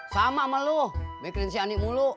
sama sama lu bikin si anik mulu